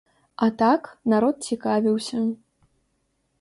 А так, народ цікавіўся.